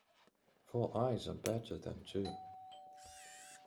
Four eyes are better than two.